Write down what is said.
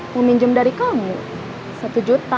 mau minjem dari kamu satu juta